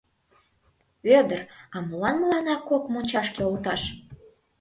— Вӧдыр, а молан мыланна кок мончашке олташ?